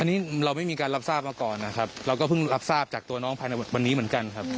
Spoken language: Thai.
อันนี้เราไม่มีการรับทราบมาก่อนนะครับเราก็เพิ่งรับทราบจากตัวน้องภายในวันนี้เหมือนกันครับ